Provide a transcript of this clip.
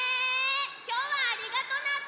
きょうはありがとナッツ！